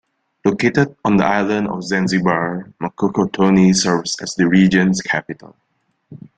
Located on the island of Zanzibar, Mkokotoni serves as the region's capital.